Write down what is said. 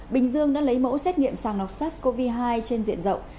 bình dương đã lấy mẫu xét nghiệm sàng lọc sars cov hai trên diện rộng